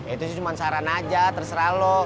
itu sih cuma saran aja terserah loh